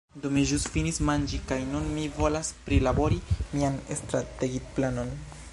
Do, mi ĵus finis manĝi kaj nun mi volas prilabori mian strategiplanon